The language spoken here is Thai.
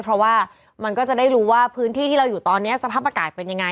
เพราะว่ามันก็จะได้รู้ว่าพื้นที่ที่เราอยู่ตอนนี้สภาพอากาศเป็นยังไง